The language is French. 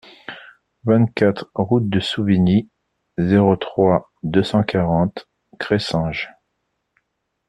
vingt-quatre route de Souvigny, zéro trois, deux cent quarante, Cressanges